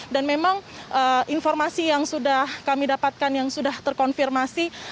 dan memang informasi yang sudah kami dapatkan yang sudah terkonfirmasi